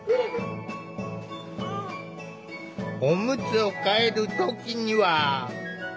おむつを替える時には。